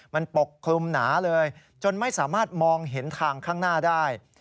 มันปกคลุมหนาเลยจนไม่สามารถมองเห็นทางข้างหน้าได้